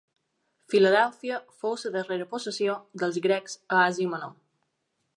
Filadèlfia fou la darrera possessió dels grecs a Àsia Menor.